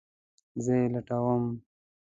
زه یی لټوم